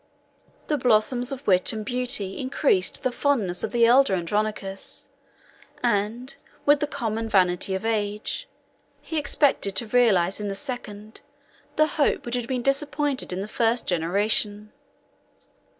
The blossoms of wit and beauty increased the fondness of the elder Andronicus; and, with the common vanity of age, he expected to realize in the second, the hope which had been disappointed in the first, generation.